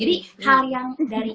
jadi hal yang dari